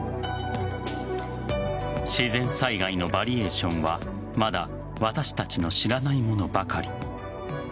自然災害のバリエーションはまだ私たちの知らないものばかり。